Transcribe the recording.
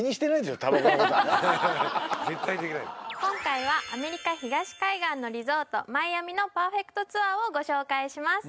いや今回はアメリカ東海岸のリゾートマイアミのパーフェクトツアーをご紹介します